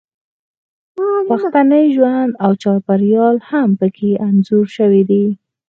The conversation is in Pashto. پښتني ژوند او چاپیریال هم پکې انځور شوی دی